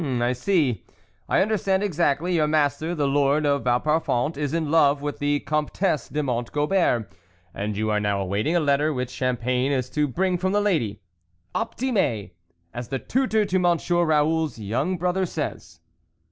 " I see ; I understand exactly. Your master, the Lord of Vauparfond, is in love with the Comtesse de Mont Gobert, and you are now awaiting a letter which Champagne is to bring from the lady." " Optime I as the tutor to Monsieur Raoul's young brother says."